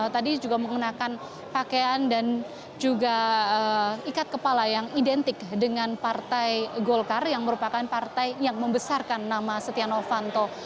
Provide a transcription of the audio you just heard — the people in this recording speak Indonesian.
tadi juga menggunakan pakaian dan juga ikat kepala yang identik dengan partai golkar yang merupakan partai yang membesarkan nama setia novanto